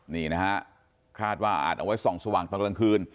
นี่นะฮะคาดว่าอาจเอาไว้ส่องสว่างตอนกลางคืน